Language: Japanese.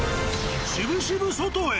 しぶしぶ外へ。